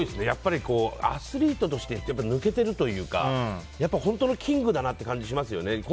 やっぱりアスリートとして抜けてるというか本当のキングだなという感じがしますよね。